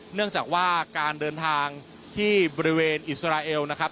เนื่องจากว่าการเดินทางที่บริเวณอิสราเอลนะครับ